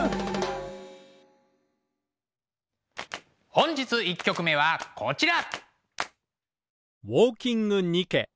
本日１曲目はこちら。